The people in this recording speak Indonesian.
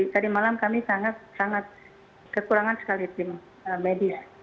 tadi malam kami sangat sangat kekurangan sekali tim medis